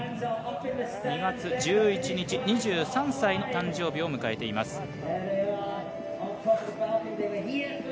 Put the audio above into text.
２月１１日、２３歳の誕生日を迎えています。